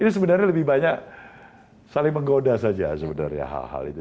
ini sebenarnya lebih banyak saling menggoda saja sebenarnya hal hal itu